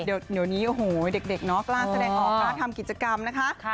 เดี๋ยวนี้โอ้โหเด็กเนาะกล้าแสดงออกกล้าทำกิจกรรมนะคะ